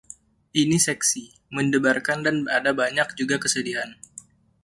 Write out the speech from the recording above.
Ini seksi, mendebarkan dan ada banyak juga kesedihan.